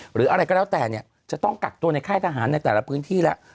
หรืออะไรก็แล้วแต่เนี่ยจะต้องกักตัวในค่ายทหารในแต่ละพื้นที่แล้ว